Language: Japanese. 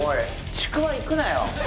ちくわいくなよ！